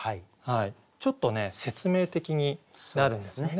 ちょっとね説明的になるんですよね。